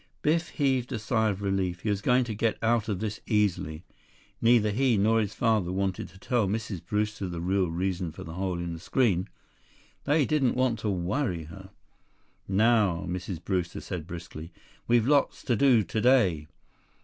Biff heaved a sigh of relief. He was going to get out of this easily. Neither he nor his father wanted to tell Mrs. Brewster the real reason for the hole in the screen. They didn't want to worry her. "Now," Mrs. Brewster said briskly, "we've lots to do today.